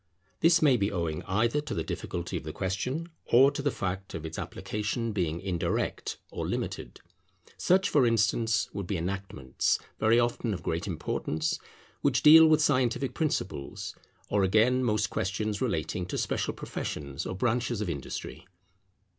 This may be owing either to the difficulty of the question or to the fact of its application being indirect or limited. Such, for instance, would be enactments, very often of great importance, which deal with scientific principles; or again most questions relating to special professions or branches of industry.